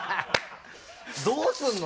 どうすんの？